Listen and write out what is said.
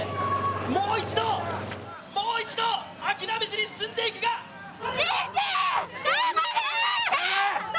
もう一度、もう一度諦めずに進んでいくが頑張れ！！